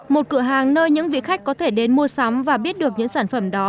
một cửa hàng nơi những vị khách có thể đến mua sắm và biết được những sản phẩm đó